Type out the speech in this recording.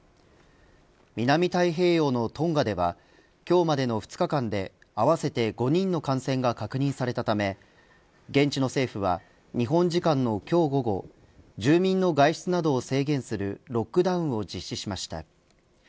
南太平洋のトンガでは今日までの２日間で、合わせて５人の感染が確認されたため現地の政府は日本時間の今日午後住民の外出などを制限するロックダウンを実施しました。